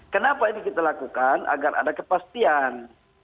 kenapa ini kita lakukan agar ada kepastian